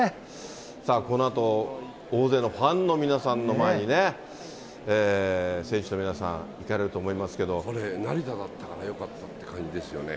さあ、このあと大勢のファンの皆さんの前にね、選手の皆さん、これ、成田だったからよかったって感じですよね。